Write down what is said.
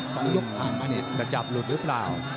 บ๊วยบ๊วยบ๊วยเริ่มช้าเริ่มช้า